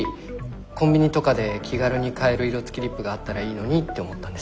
コンビニとかで気軽に買える色つきリップがあったらいいのにって思ったんです。